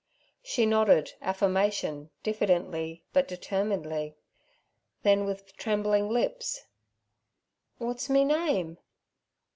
She nodded affirmation diffidently but determinedly. Then, with trembling lips, 'Wat's me name?'